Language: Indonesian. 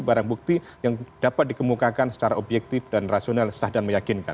barang bukti yang dapat dikemukakan secara objektif dan rasional sah dan meyakinkan